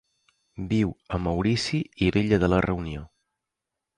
Viu a Maurici i l'illa de la Reunió.